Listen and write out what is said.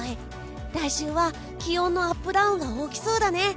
来週は気温のアップダウンが大きそうだね。